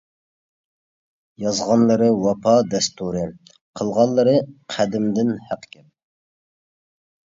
يازغانلىرى ۋاپا دەستۇرى، قىلغانلىرى قەدىمدىن ھەق گەپ.